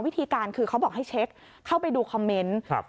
วิธีการคือเขาบอกให้เช็คเข้าไปดูคอมเมนต์ครับ